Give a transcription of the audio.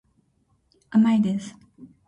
甘いです。